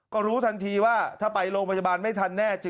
ก็รู้ทันทีว่าถ้าไปโรงพยาบาลไม่ทันแน่จริง